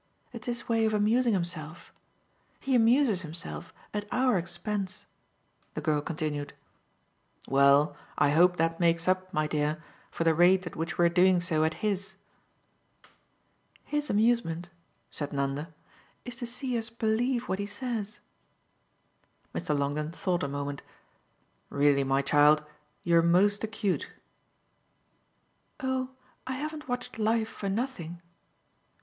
It's his way of amusing himself. He amuses himself at our expense," the girl continued. "Well, I hope that makes up, my dear, for the rate at which we're doing so at his!" "His amusement," said Nanda, "is to see us believe what he says." Mr. Longdon thought a moment. "Really, my child, you're most acute." "Oh I haven't watched life for nothing!